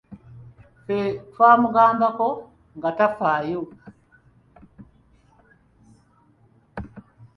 Ffe twamugambako nga tafaayo!